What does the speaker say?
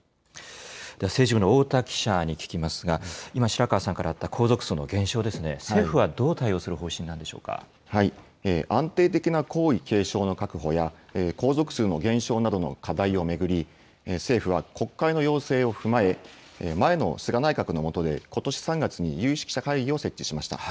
政治部の太田記者に聞きますが、今、白川さんからあった皇族数の減少ですが、政府はどう対応する方針安定的な皇位継承の確保や、皇族数の減少などの課題を巡り、政府は国会の要請を踏まえ、前の菅内閣の下で、ことし３月に有識者会議を設置しました。